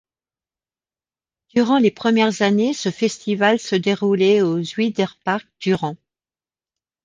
Durant les premières années, ce festival se déroulait au Zuiderpark durant.